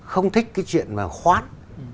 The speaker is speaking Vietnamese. không thích chuyện khoán